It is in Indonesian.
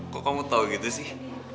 kok kamu tau gitu sih